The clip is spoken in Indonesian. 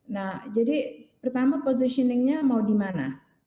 nah jadi pertama positioningnya mau di mana